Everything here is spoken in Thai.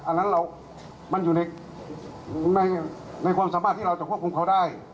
อันนั้นมันอยู่ในความสามารถที่เราจะควบคุมเขาได้